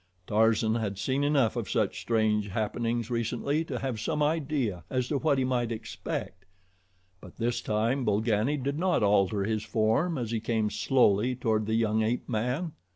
Tarzan had seen enough of such strange happenings recently to have some idea as to what he might expect; but this time Bolgani did not alter his form as he came slowly toward the young ape man.